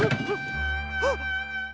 あっ！